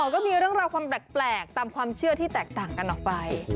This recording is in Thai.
ก็มีเรื่องราวความแปลกตามความเชื่อที่แตกต่างกันออกไป